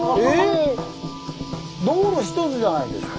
道路ひとつじゃないですか。